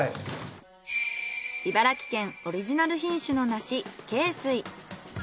茨城県オリジナル品種の梨恵水。